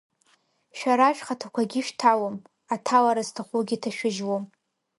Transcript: Шәара шәхаҭақәагьы шәҭалом, аҭалара зҭахугьы ҭашәыжьлом.